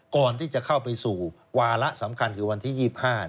ก่อนที่จะเข้าไปสู่วาระสำคัญคือวันที่๒๕